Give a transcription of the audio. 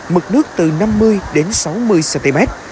mực nước từ năm mươi đến sáu mươi cm